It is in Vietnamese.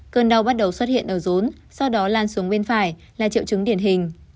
cơn đau bắt đầu xuất hiện ở rốn sau đó lan xuống bên phải là triệu chứng điển hình